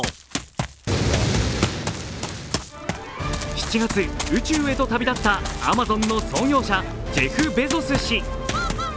７月、宇宙へと旅立ったアマゾンの創業者、ジェフ・ベゾス氏。